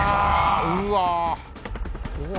うわ。